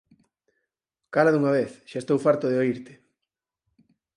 Cala dunha vez! Xa estou farto de oírte!